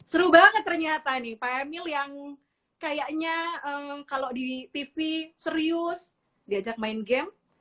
seru banget ternyata nih pak emil yang kayaknya kalau di tv serius diajak main game